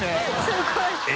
すごい